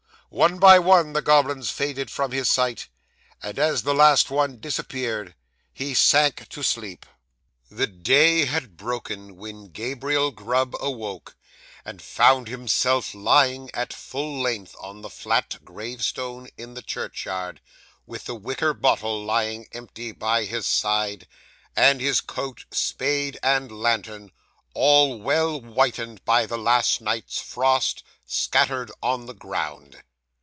One by one, the goblins faded from his sight; and, as the last one disappeared, he sank to sleep. 'The day had broken when Gabriel Grub awoke, and found himself lying at full length on the flat gravestone in the churchyard, with the wicker bottle lying empty by his side, and his coat, spade, and lantern, all well whitened by the last night's frost, scattered on the ground.